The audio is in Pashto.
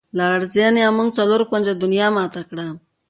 لغړزنیه! موږ څلور کونجه دنیا ماته کړه.